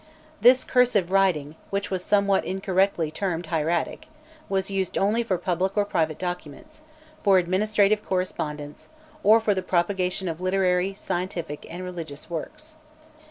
This cursive writing, which was somewhat incorrectly termed hieratic, was used only for public or private documents, for administrative correspondence, or for the propagation of literary, scientific, and religious works.